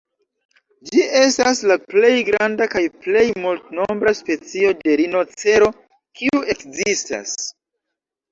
Ĝi estas la plej granda kaj plej multnombra specio de rinocero kiu ekzistas.